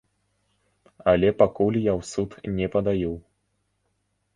Але пакуль я ў суд не падаю.